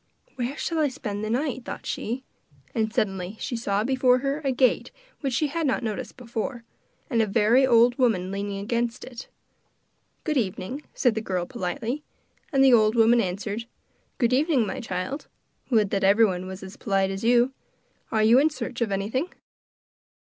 'Where shall I spend the night?' thought she. And suddenly she saw before her a gate which she had not noticed before, and a very old woman leaning against it. 'Good evening,' said the girl politely; and the old woman answered: 'Good evening, my child. Would that everyone was as polite as you. Are you in search of anything?